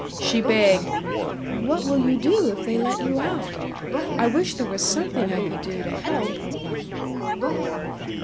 She begged: "What will you do if they let you out? I wish there was something I could do to help."